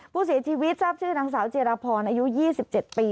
ผู้เสียชีวิตทราบชื่อนางสาวจิรพรอายุ๒๗ปี